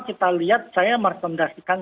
kita lihat saya merekomendasikan